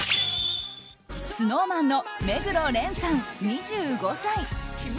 ＳｎｏｗＭａｎの目黒蓮さん２５歳。